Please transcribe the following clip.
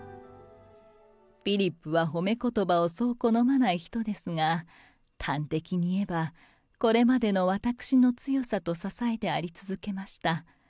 フィリップは褒めことばをそう好まない人ですが、端的に言えば、これまでの私の強さと支えであり続けました。